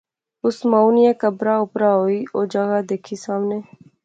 انی مائو نیاں قبرا اپرا ہوئی او جگہ دیکھی ساونے